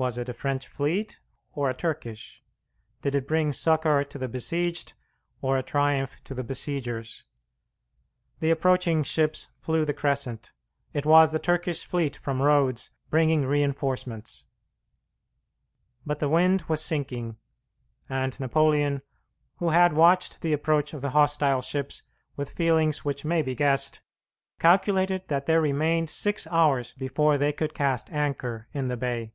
Was it a French fleet or a Turkish? Did it bring succour to the besieged or a triumph to the besiegers? The approaching ships flew the crescent. It was the Turkish fleet from Rhodes bringing reinforcements. But the wind was sinking, and Napoleon, who had watched the approach of the hostile ships with feelings which may be guessed, calculated that there remained six hours before they could cast anchor in the bay.